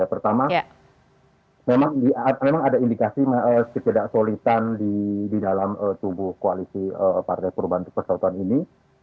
pertama memang ada indikasi ketidaksolitan di dalam tubuh koalisi partai perubahan persatuan ini